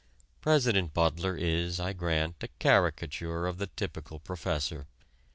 President Butler is, I grant, a caricature of the typical professor.